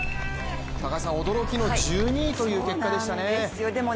驚きの１２位という結果ですね。